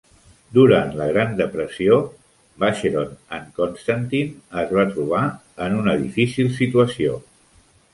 Durant la Gran Depressió, Vacheron and Constantin es va trobar en una difícil situació.